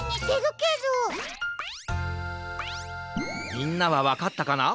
みんなはわかったかな？